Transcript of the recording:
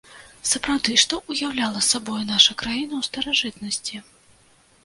Сапраўды, што ўяўляла сабою наша краіна ў старажытнасці?